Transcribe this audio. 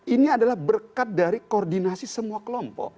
ini adalah berkat dari koordinasi semua kelompok